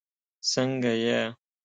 سنګه یی